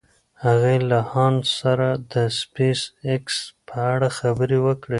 هغې له هانس سره د سپېساېکس په اړه خبرې وکړې.